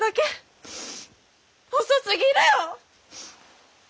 遅すぎるよ！